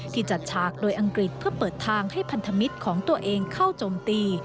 จัดฉากโดยอังกฤษเพื่อเปิดทางให้พันธมิตรของตัวเองเข้าจมตี